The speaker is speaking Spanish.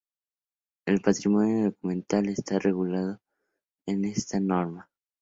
El patrimonio documental está regulado en esta norma.